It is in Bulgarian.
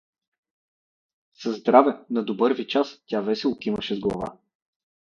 „Със здраве! На добър ви час!“ — тя весело кимаше с глава.